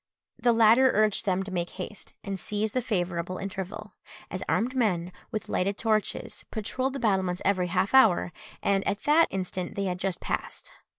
The latter urged them to make haste, and seize the favourable interval, as armed men, with lighted torches, patrolled the battlements every half hour, and at that instant they had just passed.